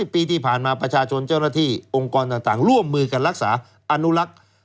ปีที่ผ่านมาประชาชนเจ้าหน้าที่องค์กรต่างร่วมมือกันรักษาอนุรักษ์